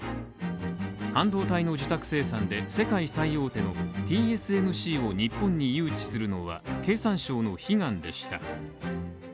半導体の受託生産で世界最大手のＴＳＭＣを日本に誘致するのは経産省の悲願でした。